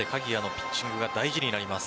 ピッチングが大事になります。